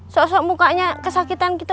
sok sok mukanya kesakitan gitu